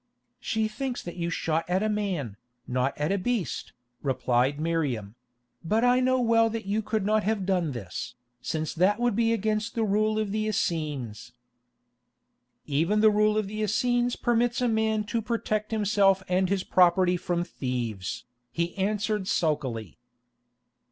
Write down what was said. "She thinks that you shot at a man, not at a beast," replied Miriam; "but I know well that you could not have done this, since that would be against the rule of the Essenes." "Even the rule of the Essenes permits a man to protect himself and his property from thieves," he answered sulkily.